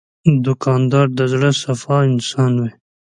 دوکاندار د زړه صفا انسان وي.